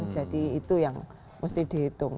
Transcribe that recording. jadi itu yang mesti dihitung